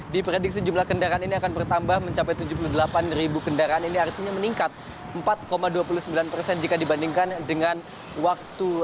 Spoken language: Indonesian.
diprediksi jumlah kendaraan ini akan bertambah mencapai tujuh puluh delapan ribu kendaraan ini artinya meningkat empat dua puluh sembilan persen jika dibandingkan dengan waktu